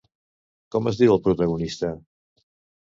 Com es diu el protagonista?